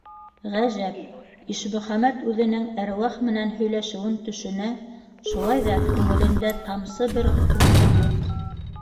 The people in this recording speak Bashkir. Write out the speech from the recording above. Ғәжәп, Ишмөхәмәт үҙенең әруах менән һөйләшеүен төшөнә, шулай ҙа күңелендә тамсы бер ҡурҡыу юҡ.